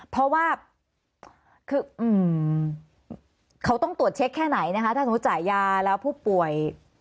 เพราะว่าคือเขาต้องตรวจเช็คแค่ไหนนะคะถ้าสมมุติจ่ายยาแล้วผู้ป่วย